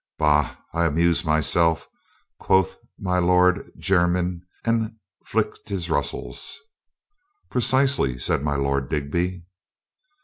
"Bah, I amuse myself," quoth my Lord Jermyn, and flicked his ruffles. "Precisely," said my Lord Digby.